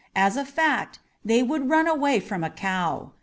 As a fact, they would run away from a cow.